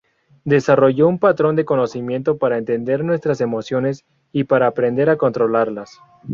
Desarrolló un patrón de conocimiento para entender nuestras emociones y para aprender a controlarlas.